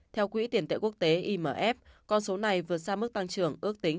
theo quỹ tiền tệ quốc tế imf con số này vượt sang mức tăng trưởng ước tính chín